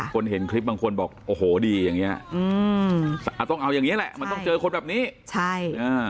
คนเห็นคลิปบางคนบอกโอ้โหดีอย่างเงี้ยอืมอ่าต้องเอาอย่างเงี้แหละมันต้องเจอคนแบบนี้ใช่อ่า